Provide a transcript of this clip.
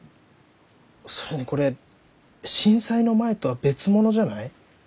それにこれ震災の前とは別物じゃない？